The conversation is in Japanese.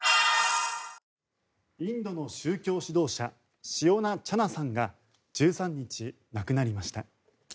インドの宗教指導者シオナ・チャナさんが１３日、亡くなりました。